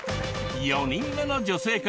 ４人目の女性化